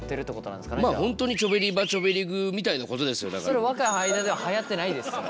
それ若い間でははやってないですそれ。